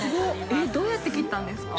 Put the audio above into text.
┐どうやって切ったんですか？